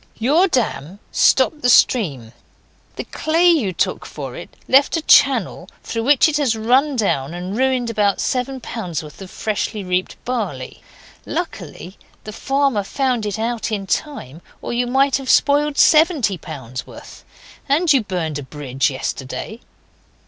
Your dam stopped the stream; the clay you took for it left a channel through which it has run down and ruined about seven pounds' worth of freshly reaped barley. Luckily the farmer found it out in time or you might have spoiled seventy pounds' worth. And you burned a bridge yesterday.